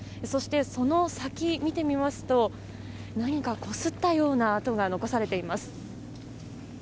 そして、その先を見てみますと何かこすったような跡が残されています。